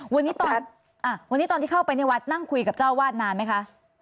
วันนี้ตอนวันนี้ตอนที่เข้าไปในวัดนั่งคุยกับเจ้าวาดนานไหมคะ